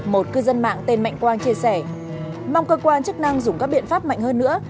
một cư dân mạng tên mạnh quang chia sẻ mong cơ quan chức năng dùng các biện pháp mạnh hơn nữa